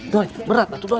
doy berat atuh doy